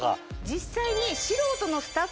実際に。